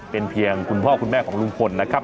เป็นเพียงคุณพ่อคุณแม่ของลุงพลนะครับ